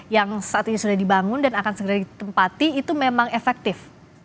yang saat ini sudah dibangun dan akan segera ditempati itu memang efektif